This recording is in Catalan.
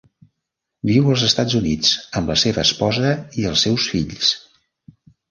Viu als Estats Units amb la seva esposa i els seus fills.